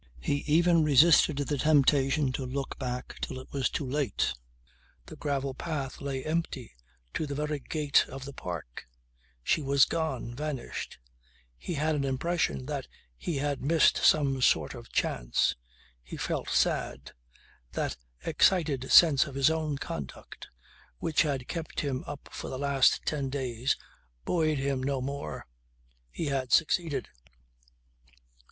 He even resisted the temptation to look back till it was too late. The gravel path lay empty to the very gate of the park. She was gone vanished. He had an impression that he had missed some sort of chance. He felt sad. That excited sense of his own conduct which had kept him up for the last ten days buoyed him no more. He had succeeded!